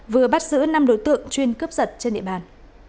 vừa bắt giữ năm đối tượng chuyên cướp giật trên địa bàn